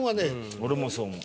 俺もそう思う。